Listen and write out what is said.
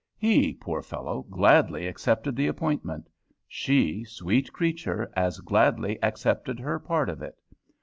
He, poor fellow, gladly accepted the appointment. She, sweet creature, as gladly accepted her part of it.